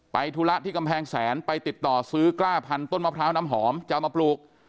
ธุระที่กำแพงแสนไปติดต่อซื้อกล้าพันต้นมะพร้าวน้ำหอมจะเอามาปลูก